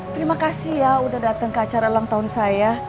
terima kasih ya udah datang ke acara ulang tahun saya